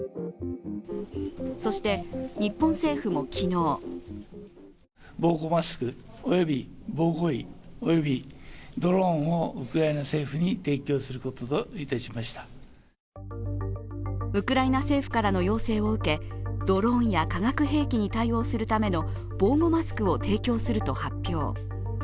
そして、日本政府も昨日ウクライナ政府からの要請を受け、ドローンや化学兵器に対応するための防護マスクを提供すると発表。